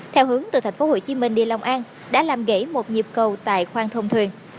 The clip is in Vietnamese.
theo hướng từ tp hcm đi long an đã làm gãy một nhịp cầu tại khoang thông thuyền